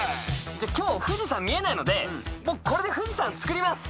今日富士山見えないので僕これで富士山つくります。